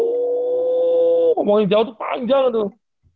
ngomongin jawa tuh panjang tuh